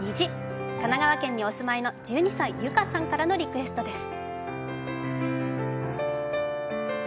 神奈川県にお住まいの１２歳ＹＵＫＡさんからのリクエストです。